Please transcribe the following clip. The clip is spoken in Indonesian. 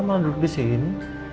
malah duduk di sini